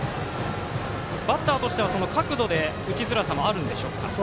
バッターとしては角度で打ちづらさもあるんでしょうか。